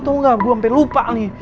tau nggak gue sampe lupa nih